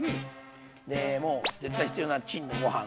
でもう絶対必要なチンでご飯。